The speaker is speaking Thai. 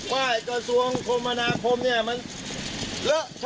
ว่ากระทรวงคมมนาคมเนี่ยมันเลอะ